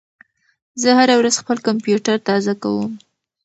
زه هره ورځ خپل کمپیوټر تازه کوم.